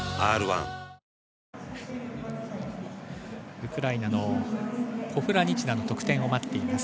ウクライナのポフラニチナの得点を待っています。